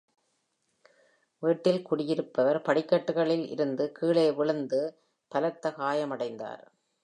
வீட்டில் குடியிருப்பவர் படிக்கட்டுகளில் இருந்து கீழே விழுந்து பலத்த காயமடைந்தார்.